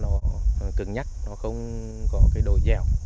nó không nhắc nó không có cái đổi dẻo